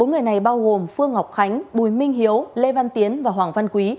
bốn người này bao gồm phương ngọc khánh bùi minh hiếu lê văn tiến và hoàng văn quý